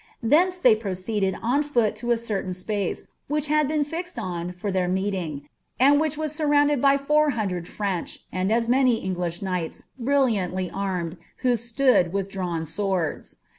Thence they proceeded tin foDl to a ceriain ipace. which hud been fixed on for their meeting, and which was snrrounded by four hundred French, snd as many Eng lali. kniuihts, brilliantly armed, who stood with drawn swords.